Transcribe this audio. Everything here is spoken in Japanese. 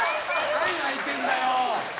何泣いてんだよ！